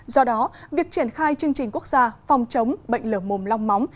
do đó việc triển khai chương trình quốc gia phòng chống bệnh lở mồm long móng